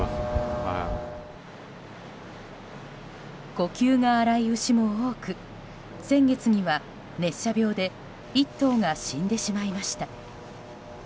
呼吸が荒い牛も多く先月には熱射病で１頭が死んでしまいました。